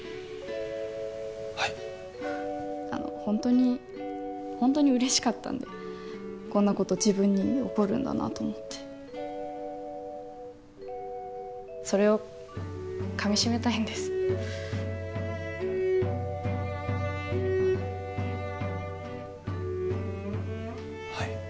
はいあのホントにホントに嬉しかったんでこんなこと自分に起こるんだなと思ってそれをかみしめたいんですはい